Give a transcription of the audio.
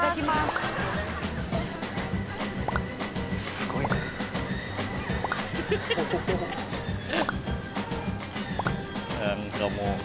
・・すごいな・何かもう。